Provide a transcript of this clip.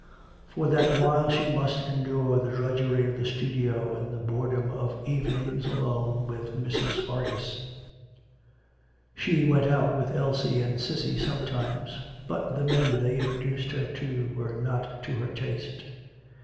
For that while she must endure the drudgery of the studio and the boredom of evenings alone with Mrs. Fargus. She went out with Elsie and Cissy sometimes, but the men they introduced her to were not to her taste.